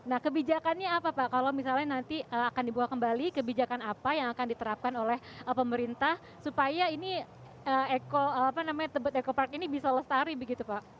nah kebijakannya apa pak kalau misalnya nanti akan dibuka kembali kebijakan apa yang akan diterapkan oleh pemerintah supaya ini tebet eco park ini bisa lestari begitu pak